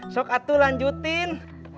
sok atuh lanjutin